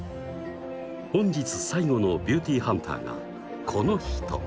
本日最後のビューティーハンターがこの人！